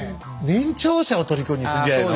年長者をとりこにするんじゃないの？